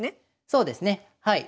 そうですねはい。